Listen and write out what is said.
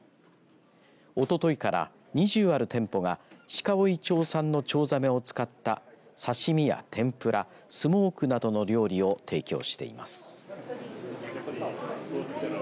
おとといから２０ある店舗が鹿追町産のチョウザメを使った刺身や天ぷらスモークなどの料理を提供しています。